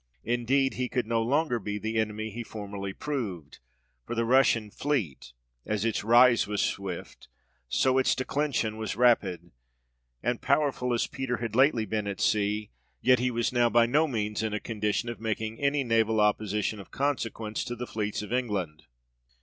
Indeed, he could no longer be the enemy he formerly proved ; for the Russian fleet, as its rise was swift, so its declension was rapid ; and powerful as Peter had lately been at sea, yet he was now by no means in a condition of making any naval opposition of consequence to the fleets of England.